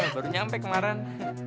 baru nyampe kemarin